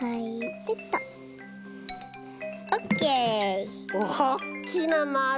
オッケー！